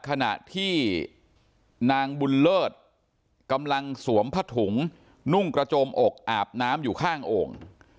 ขณะที่นางบุญเลิศกำลังสวมผ้าถุงนุ่งกระโจมอกอาบน้ำอยู่ข้างโอ่ง